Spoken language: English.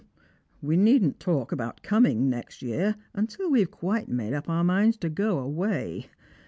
" We needn't talk about coming next year until we have quite made up our minds to go away.